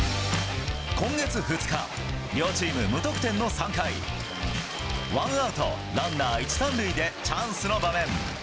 今月２日、両チーム無得点の３回、ワンアウトランナー１、３塁でチャンスの場面。